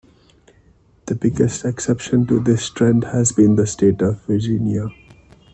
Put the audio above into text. The biggest exception to this trend has been the state of Virginia.